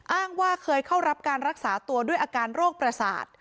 อ้างว่าเคยเข้ารับการรักษาตัวด้วยอาการโรคประสาท